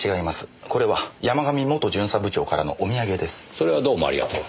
それはどうもありがとう。